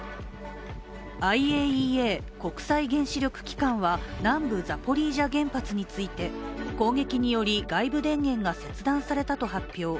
ＩＡＥＡ＝国際原子力機関は南部ザポリージャ原発について攻撃により外部電源が切断されたと発表。